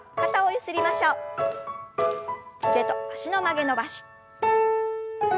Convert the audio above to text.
腕と脚の曲げ伸ばし。